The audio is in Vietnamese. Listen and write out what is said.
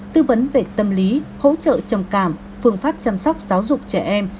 tư vấn về tâm lý hỗ trợ trầm cảm phương pháp chăm sóc giáo dục trẻ em